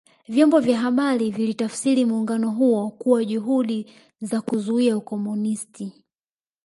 Vyombo vya habari vilitafsiri muungano huo kuwa juhudi za kuzuia Ukomunisti